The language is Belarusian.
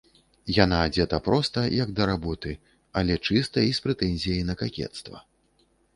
Яна адзета проста, як да работы, але чыста і з прэтэнзіяй на какецтва.